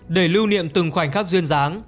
để lưu niệm từng khoảnh khắc duyên dáng